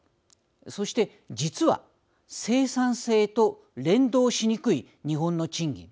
そして実は生産性と連動しにくい日本の賃金。